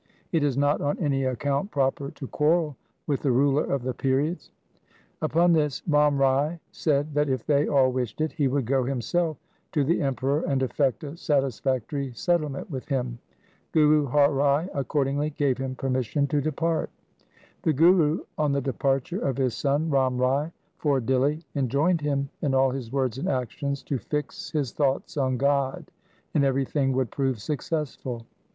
It is not on any account proper to quarrel with the ruler of the period.' Upon this Ram Rai said that if they all wished it, he would go himself to the Emperor and effect a satisfactory settlement with him. Guru Har Rai accordingly gave him permission to depart. The Guru on the departure of his son Ram Rai x 2 308 THE SIKH RELIGION for Dihli, enjoined him in all his words and actions to fix his thoughts on God, and everything would prove successful.